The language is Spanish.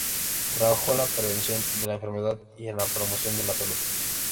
Trabajó en la prevención de la enfermedad y en la promoción de la salud.